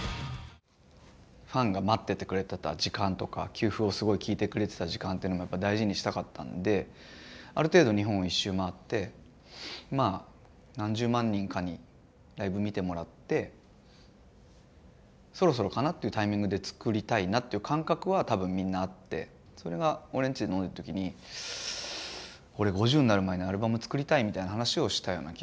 ファンが待っててくれてた時間とか旧譜をすごい聴いてくれてた時間っていうのもやっぱ大事にしたかったんである程度日本を一周回ってまあ何十万人かにライブ見てもらってそろそろかなっていうタイミングで作りたいなっていう感覚は多分みんなあってそれが俺んちで飲んでる時に俺５０になる前にアルバム作りたいみたいな話をしたような気がするな。